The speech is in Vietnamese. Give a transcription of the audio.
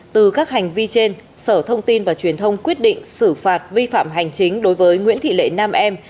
từ các hành vi trên sở thông tin và truyền thông quyết định xử phạt vi phạm hành chính đối với nguyễn thị lệ nam em